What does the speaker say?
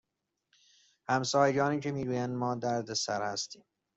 همسایگانی که می گویند ما دردسر هستیم